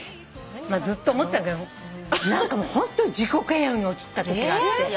ずっと思ってたけどホントに自己嫌悪に陥ったときがあって。